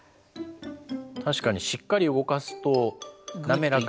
確かにしっかり動かすと滑らかに。